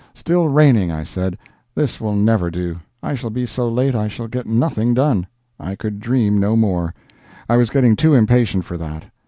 Still raining! I said. This will never do. I shall be so late that I shall get nothing done. I could dream no more; I was getting too impatient for that.